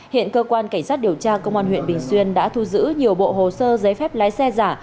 hiện cơ quan cảnh sát điều tra công an huyện bình xuyên đã thu giữ nhiều bộ hồ sơ giấy phép lái xe giả